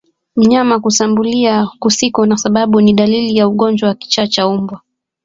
Mnyama kushambulia kusiko na sababu ni dalili ya ugonjwa wa kichaa cha mbwa